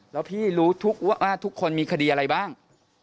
แล้วพี่รู้ว่าทุกคนมีคดีอะไรบ้าง